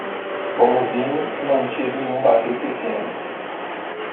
Bom vinho é mantido em um barril pequeno.